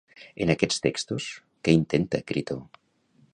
En aquests textos què intenta Critó?